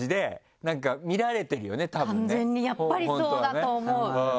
完全にやっぱりそうだと思う。